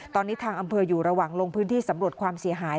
ตอนนี้ทางอำเภออยู่ระหว่างลงพื้นที่สำรวจความเสียหาย